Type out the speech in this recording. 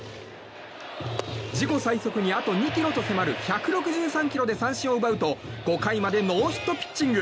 自己最速にあと２ｋｍと迫る１６３ｋｍで三振を奪うと５回までノーヒットピッチング。